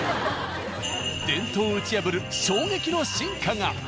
伝統を打ち破る衝撃の進化が。